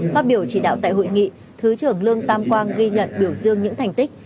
phát biểu chỉ đạo tại hội nghị thứ trưởng lương tam quang ghi nhận biểu dương những thành tích